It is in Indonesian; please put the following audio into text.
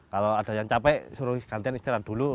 kalau ada yang capek suruh gantian istirahat dulu